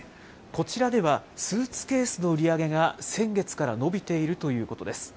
こちらではスーツケースの売り上げが先月から伸びているということです。